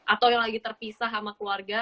atau yang lagi terpisah sama keluarga